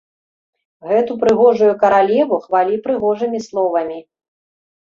Гэту прыгожую каралеву хвалі прыгожымі словамі.